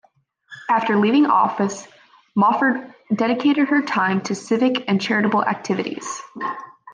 After leaving office, Mofford dedicated her time to civic and charitable activities.